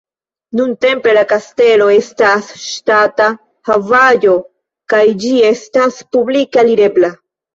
Nuntempe la kastelo estas ŝtata havaĵo kaj ĝi estas publike alirebla.